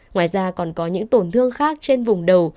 ngoài ra còn có những tổn thương khác trên vùng đầu